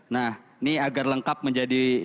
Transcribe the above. nah ini agar lengkap menjadi